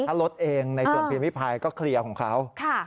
ถ้าลดเองในส่วนพิมพิพายก็เคลียร์ของเขา